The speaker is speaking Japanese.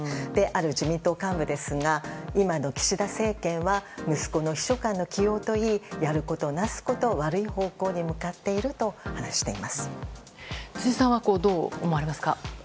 ある自民党幹部ですが今の岸田政権は息子の秘書官の起用といいやることなすこと悪い方向に向かっていると辻さんは、どう思われますか？